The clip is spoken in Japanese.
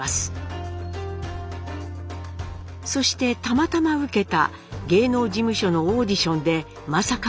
そしてたまたま受けた芸能事務所のオーディションでまさかの合格。